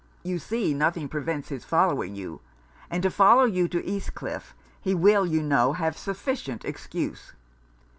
You see nothing prevents his following you; and to follow you to East Cliff, he will, you know, have sufficient excuse.